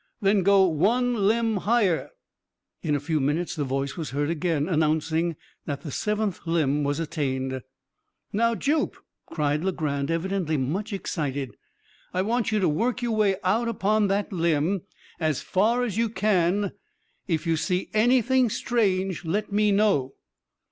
"Then go one limb higher." In a few minutes the voice was heard again, announcing that the seventh limb was attained. "Now, Jup," cried Legrand, evidently much excited, "I want you to work your way out upon that limb as far as you can. If you see anything strange let me know."